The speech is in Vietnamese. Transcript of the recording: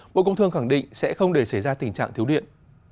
bộ công thương khẳng định sẽ không để xảy ra tình trạng thiếu điện